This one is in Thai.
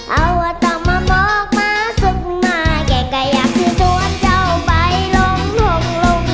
เอาเว้าต้องมามดมาซุดมากแก่ไกลอยากซื้อตรวจเจ้าไปลมหนุ่งลุง